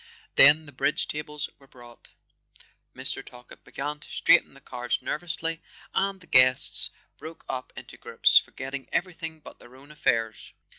Then the bridge tables were brought, Mr. Talkett began to straighten the cards nervously, and the guests broke up into groups, forgetting everything but their own affairs.